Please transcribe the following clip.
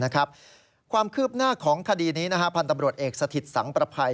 ความคืบหน้าของคดีนี้พันธุ์ตำรวจเอกสถิตสังประภัย